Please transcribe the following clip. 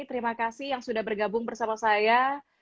terima kasih yang sudah bergabung bersama saya